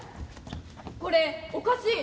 これおかしい。